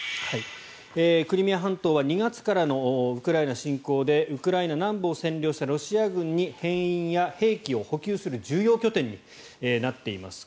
クリミア半島は２月からのウクライナ侵攻でウクライナ南部を占領したロシア軍に兵員や兵器を補給する重要拠点になっていました。